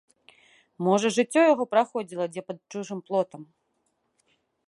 Можа, жыццё яго праходзіла дзе пад чужым плотам!